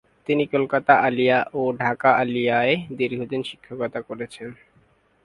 তিনি কলকাতা আলিয়া ও ঢাকা আলিয়ায় দীর্ঘদিন শিক্ষকতা করেছেন।